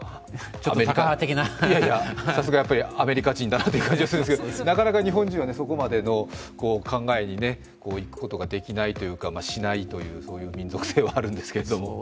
さすがやっぱりアメリカ人だなと思いますが、なかなか日本人はそこまでの考えにいくことができないというか、しないという民族性はあるんですけれども。